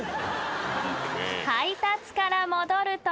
［配達から戻ると］